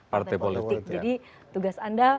partai politik jadi tugas anda